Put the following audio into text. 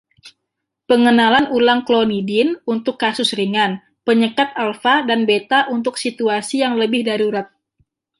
Pengenalan ulang klonidin untuk kasus ringan, penyekat alfa dan beta untuk situasi yang lebih darurat.